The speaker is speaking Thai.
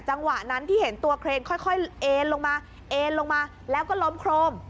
จังหวะนั้นที่เห็นตัวเครนค่อยเอ็นลงมาเอ็นลงมาแล้วก็ล้มโครม